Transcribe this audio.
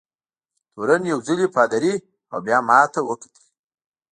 تورن یو ځلي پادري او بیا ما ته وکتل.